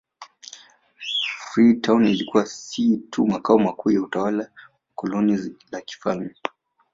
Freetown ilikuwa si tu makao makuu ya utawala wa koloni la kifalme